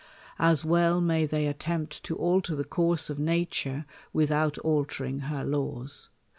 As well may they attempt to alter the course of na ture, without altering her laws.